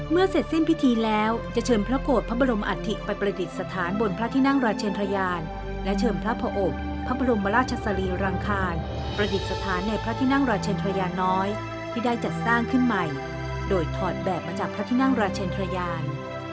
เสร็จสิ้นพิธีแล้วจะเชิญพระโกรธพระบรมอัฐิไปประดิษฐานบนพระที่นั่งราชเชนทรยานและเชิญพระอบพระบรมราชสรีรังคารประดิษฐานในพระที่นั่งราชินทรยาน้อยที่ได้จัดสร้างขึ้นใหม่โดยถอดแบบมาจากพระที่นั่งราชเชนทรยาน